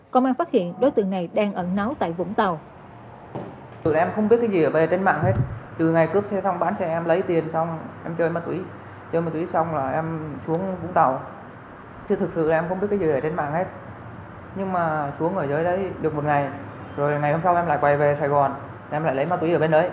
công an phát hiện đối tượng này đang ẩn náu tại vũng tàu